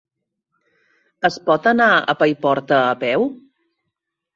Es pot anar a Paiporta a peu?